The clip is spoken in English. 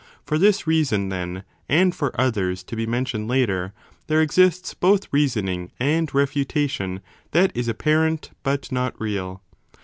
For this reason, then, and for others to be mentioned later, there exists both reasoning and refutation that is apparent but not real.